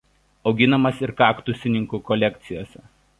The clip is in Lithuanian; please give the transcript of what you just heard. Auginamas ir kaktusininkų kolekcijose.